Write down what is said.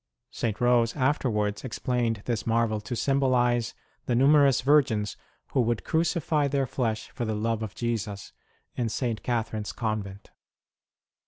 St. Rose afterwards explained this marvel to symbolize the numerous virgins who would 128 ST. ROSE OF LIMA crucify their flesh for the love of Jesus in St. Catherine s Convent.